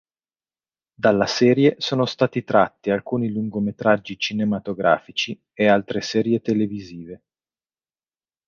Dalla serie sono stati tratti alcuni lungometraggi cinematografici e altre serie televisive.